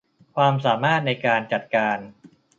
ความสามารถในการจัดการ